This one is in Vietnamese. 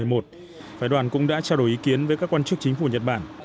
phái đoàn cũng đã trao đổi ý kiến với các quan chức chính phủ nhật bản